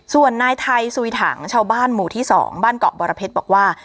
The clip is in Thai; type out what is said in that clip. ส่วนนายไทยสุยถังชาวบ้านหมู่ที่๒บ้านเกาะบรเพชรบอกว่า